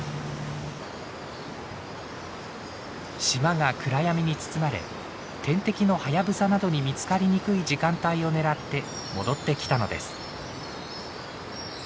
島が暗闇に包まれ天敵のハヤブサなどに見つかりにくい時間帯を狙って戻ってきたのです。